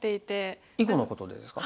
囲碁のことでですか？